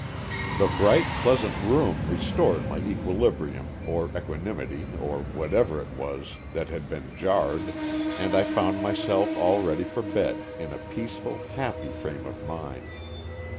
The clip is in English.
The bright, pleasant room restored my equilibrium or equanimity or whatever it was that had been jarred, and I found myself all ready for bed, in a peaceful, happy frame of mind.